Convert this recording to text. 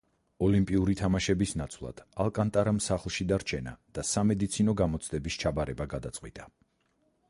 ოლიმპიური თამაშების ნაცვლად ალკანტარამ სახლში დარჩენა და სამედიცინო გამოცდების ჩაბარება გადაწყვიტა.